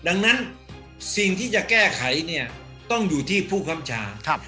ดังนั้นสิ่งที่จะแก้ไขเนี่ยต้องอยู่ที่ผู้คำชา